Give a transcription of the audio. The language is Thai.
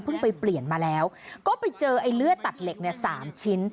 เขาเพิ่งไปเปลี่ยนมาแล้วก็ไปเจอไอ้เลือดตัดเหล็กสามชิ้น